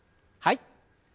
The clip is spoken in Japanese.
はい。